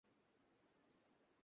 চেষ্টা বিফল হল কেন?